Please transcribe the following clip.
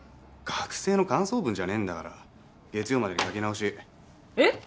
学生の感想文じゃねえんだから月曜までに書き直しえっ！？